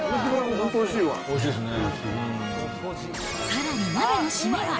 おいしいですね。